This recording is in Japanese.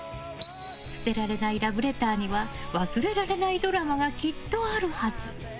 捨てられないラブレターには忘れられないドラマがきっとあるはず。